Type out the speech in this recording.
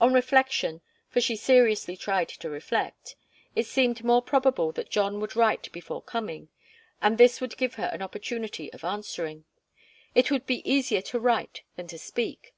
On reflection, for she seriously tried to reflect, it seemed more probable that John would write before coming, and this would give her an opportunity of answering. It would be easier to write than to speak.